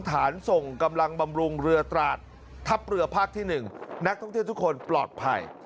ส่งกำลังบำรุงเรือตราดทัพเรือภาคที่๑นักท่องเที่ยวทุกคนปลอดภัย